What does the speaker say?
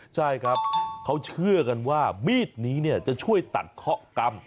ใช่ครับเขาเชื่อกันว่ามีดนี้จะช่วยตัดเคาะกรรม